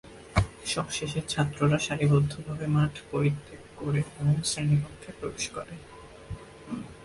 সবশেষে ছাত্ররা সারিবদ্ধভাবে মাঠ পরিত্যাগ করে এবং শ্রেণীকক্ষে প্রবেশ করে।